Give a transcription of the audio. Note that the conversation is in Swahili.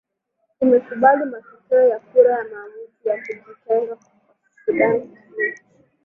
imekubali matokeo ya kura ya maamuzi ya kujitenga kwa sudan kusini